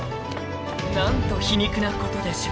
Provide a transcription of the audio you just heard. ［何と皮肉なことでしょう］